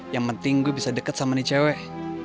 yang penting gue bisa deket sama nih cewek